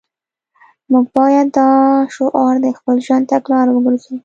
موږ باید دا شعار د خپل ژوند تګلاره وګرځوو